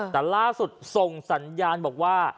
แต่ล่าสุดส่งสัญญาณบอกว่า